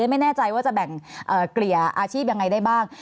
ไม่แน่ใจว่าจะแบ่งเกลี่ยอาชีพยังไงได้บ้าง